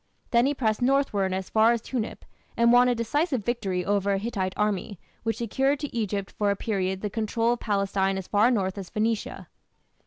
Then he pressed northward as far as Tunip, and won a decisive victory over a Hittite army, which secured to Egypt for a period the control of Palestine as far north as Phoenicia.